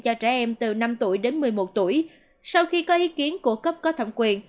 cho trẻ em từ năm tuổi đến một mươi một tuổi sau khi có ý kiến của cấp có thẩm quyền